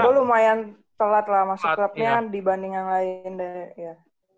gue lumayan telat lah masuk klubnya dibanding yang lain deh ya